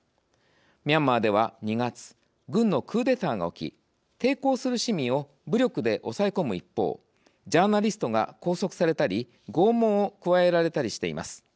ミャンマーでは、２月軍のクーデターが起き抵抗する市民を武力で抑え込む一方ジャーナリストが拘束されたり拷問を加えられたりしています。